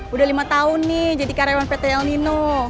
udah lima tahun nih jadi karyawan pt el nino